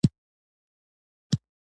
، ژاله او لاله د هلک لپاره کارېدلي دي.